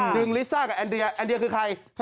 ลิซ่ากับแอนเดียแอนเดียคือใคร